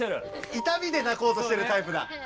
いたみで泣こうとしてるタイプだ！